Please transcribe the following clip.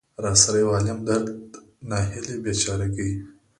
را سره يو عالم درد، ناهيلۍ ،بېچاره ګۍ.